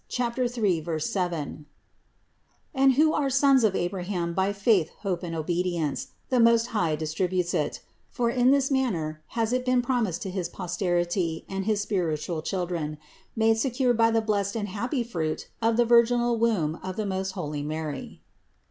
3, 7), and who are sons of Abraham by faith, hope and obedience, the Most High distributes it; for in this manner has it been promised to his posterity and his spiritual children, made secure by the blessed and happy Fruit of the virginal womb of the most holy Mary.